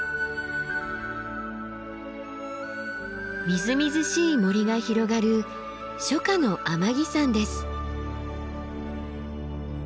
みずみずしい森が広がる初夏の天城山です。